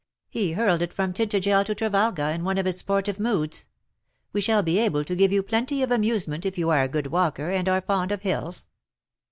He hurled it from Tintagel to Trevalga in one of his sportive moods. We shall be able to give you plenty of amusement if you are a good walker, and are fond of hills.''